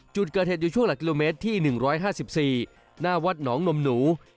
จุดเกิดเหตุอยู่ช่วงหลักกิโลเมตรที่๑๕๔หน้าวัดหนองนมหนู